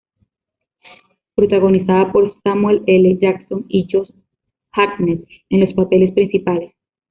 Protagonizada por Samuel L. Jackson y Josh Hartnett en los papeles principales.